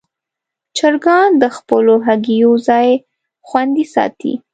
چرګان د خپلو هګیو ځای خوندي ساتي.